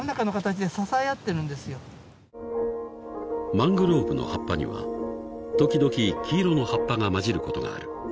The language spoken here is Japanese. ［マングローブの葉っぱには時々黄色の葉っぱが交じることがある］